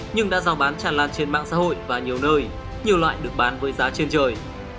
nhưng đã giao bán tràn lan trên mạng xã hội và nhiều nơi nhiều loại được bán với giá trên trời